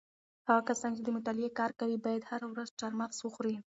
هغه کسان چې د مطالعې کار کوي باید هره ورځ چهارمغز وخوري.